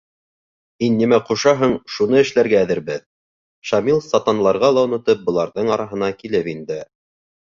Һин нимә ҡушаһың, шуны эшләргә әҙербеҙ, -Шамил, сатанларға ла онотоп, быларҙың араһына килеп инде.